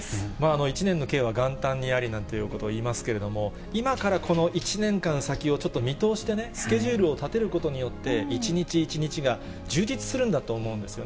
一年の計は元旦にありなんていうことを言いますけれども、今からこの１年間先をちょっと見通してね、スケジュールを立てることによって、一日一日が充実するんだと思うんですよね。